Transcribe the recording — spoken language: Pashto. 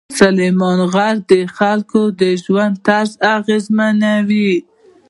سلیمان غر د خلکو ژوند طرز اغېزمنوي.